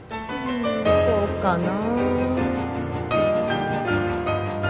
そうかな。